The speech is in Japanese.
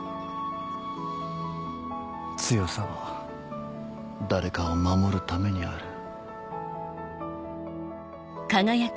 強さは誰かを守るためにある。